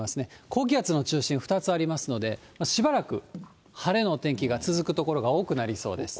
高気圧の中心、２つありますので、しばらく晴れの天気が続く所が多くなりそうです。